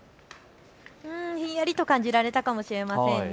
ひんやりと感じられたかもしれませんね。